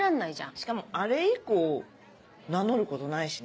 しかもあれ以降名乗ることないしね。